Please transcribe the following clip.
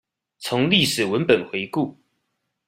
從歷史文本回顧